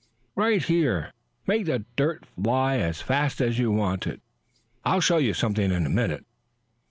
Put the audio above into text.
"Right here. Make the dirt fly as fast as you want to. I'll show you something in a minute."